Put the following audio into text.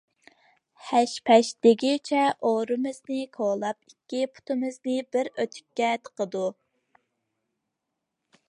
ھەش-پەش دېگۈچە ئورىمىزنى كولاپ، ئىككى پۇتىمىزنى بىر ئۆتۈككە تىقىدۇ.